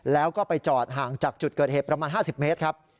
แล้วก็ไปจอดห่างจากจุดเกิดเหตุประมาณ๕๐เมตรครับ